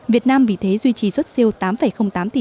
việt nam vì thế duy trì xuất siêu tám tám tỷ usd trong quý i